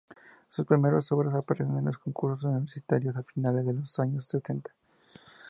Sus primeras obras aparecen en los concursos universitarios a finales de los años sesenta.